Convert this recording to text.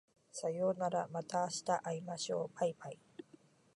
さようならまた明日会いましょう baibai